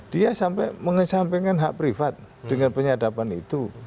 dia sampai mengesampingkan hak privat dengan penyadapan itu